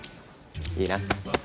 いいな？